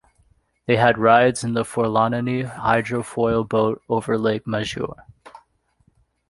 They had rides in the Forlanini hydrofoil boat over Lake Maggiore.